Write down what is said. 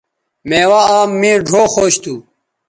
میوہ آم مے ڙھؤ خوش تھو